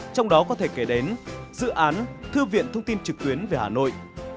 trong đó có thể kể đến dự án thư viện thông tin trực tuyến về hà nội